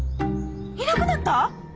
いなくなった？